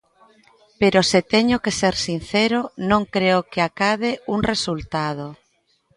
Pero se teño que ser sincero non creo que acade un resultado.